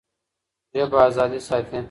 ژبه ازادي ساتي.